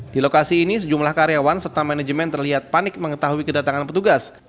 di lokasi ini sejumlah karyawan serta manajemen terlihat panik mengetahui kedatangan petugas